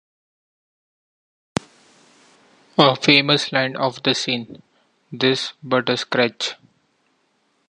A famous line of the scene, 'Tis but a scratch.